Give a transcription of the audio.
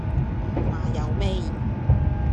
麻油味